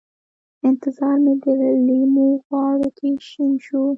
انتظار مې د لېمو غاړو کې شین شو